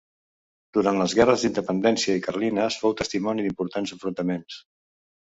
Durant les guerres d'Independència i carlines fou testimoni d'importants enfrontaments.